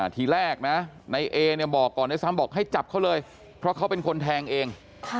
ทีแรกนะในเอเนี่ยบอกก่อนด้วยซ้ำบอกให้จับเขาเลยเพราะเขาเป็นคนแทงเอง